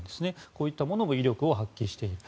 こういったものも威力を発揮している。